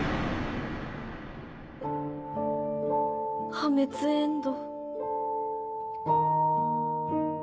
破滅エンド。